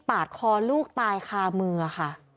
คอลูกตายคามือค่ะ